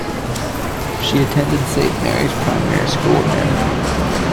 She attended Saint Mary's Primary School in Merredin.